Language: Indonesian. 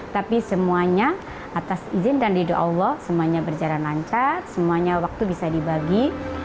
tapi semuanya atas izin dan ridho allah semuanya berjalan lancar semuanya waktu bisa dibagi